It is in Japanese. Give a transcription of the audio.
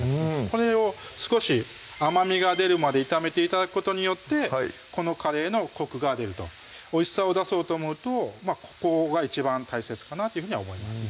これを少し甘みが出るまで炒めて頂くことによってこのカレーのコクが出るとおいしさを出そうと思うとここが一番大切かなっていうふうには思いますね